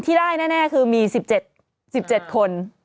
ที่ได้แน่คือมีสิบเจ็ดคน